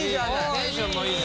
テンションもいいね。